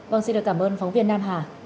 vâng xin được cảm ơn phóng viên nam hà